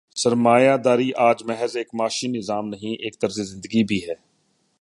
سرمایہ داری آج محض ایک معاشی نظام نہیں، ایک طرز زندگی بھی ہے۔